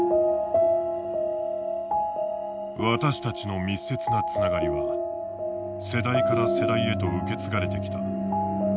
私たちの密接なつながりは世代から世代へと受け継がれてきた。